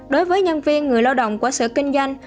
đối với nhân viên người lao động của sở kinh doanh